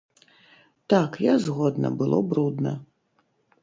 Так, я згодна, было брудна.